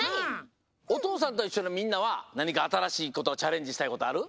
「おとうさんといっしょ」のみんなはなにかあたらしいことチャレンジしたいことある？